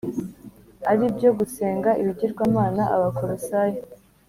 ari byo gusenga ibigirwamana Abakolosayi